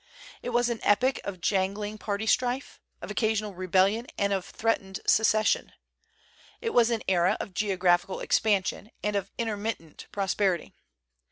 It was an epoch of jangling party strife, of occasional rebellion and of threatened secession. It was an era of geo graphical expansion, and of intermittent pros perity.